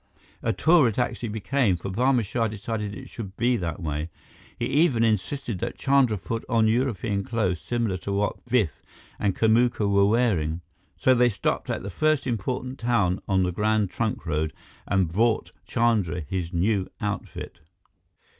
A tour it actually became, for Barma Shah decided it should be that way. He even insisted that Chandra put on European clothes similar to what Biff and Kamuka were wearing. So they stopped at the first important town on the Grand Trunk Road and bought Chandra his new outfit.